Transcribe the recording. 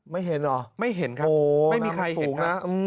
ไม่เห็นเหรอโอ้น้ำสูงนะไม่เห็นครับไม่มีใครเห็น